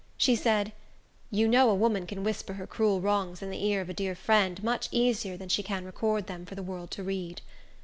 She said, "You know a woman can whisper her cruel wrongs in the ear of a dear friend much easier than she can record them for the world to read."